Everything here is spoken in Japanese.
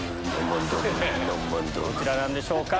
どちらなんでしょうか？